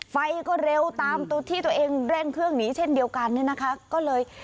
ไฟก็เร็วตามตัวที่ตัวเองเร่งเครื่องหนีเช่นเดียวกันเนี่ยนะคะก็เลย